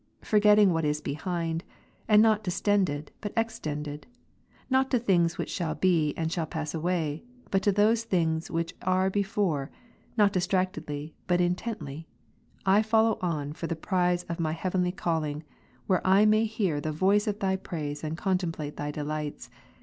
247 forgetting what is behind, and not distended but extended, not to things which shall be and shall pass away, but to those things ivhich are before, not distractedly but intently, I follow on for the jjrize of my heavenly calling, where I may hear ps. 26, 7. the voice of Thy praise, and contemplate Thy delights, Ps.